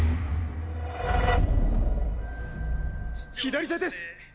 左手です！